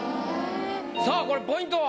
さあこれポイントは？